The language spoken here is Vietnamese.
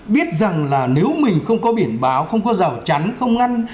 biết rằng là nếu mình không có biển báo không có rào chắn không ngăn